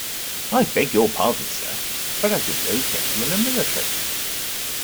I beg your pardon, sir, but I think those gentlemen are military?